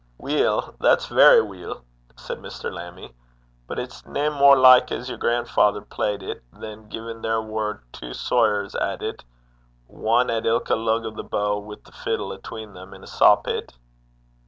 'Weel, that's verra weel,' said Mr. Lammie. 'But it's nae mair like as yer gran'father played it, than gin there war twa sawyers at it, ane at ilka lug o' the bow, wi' the fiddle atween them in a saw pit.'